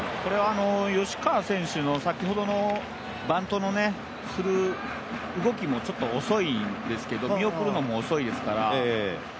吉川選手の先ほどのバントする動きもちょっと遅いんですけど、見送るのも遅いですから。